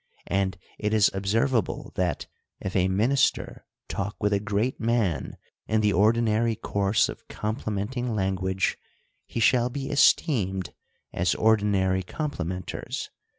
And it is observable, that, if a minister talk with a great man in the ordinary course of complimenting language, he shall be esteemed as ordinary complimenters.